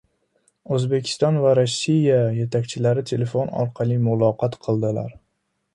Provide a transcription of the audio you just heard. O‘zbekiston va Rossiya yetakchilari telefon orqali muloqot qildilar